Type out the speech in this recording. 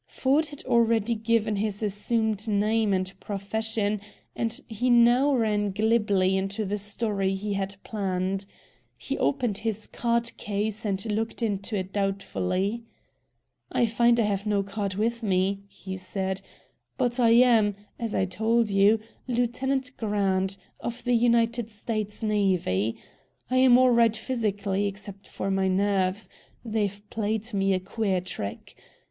Ford had already given his assumed name and profession, and he now ran glibly into the story he had planned. He opened his card case and looked into it doubtfully. "I find I have no card with me," he said; "but I am, as I told you, Lieutenant Grant, of the United States Navy. I am all right physically, except for my nerves. They've played me a queer trick.